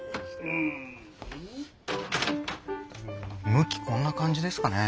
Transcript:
向きこんな感じですかね。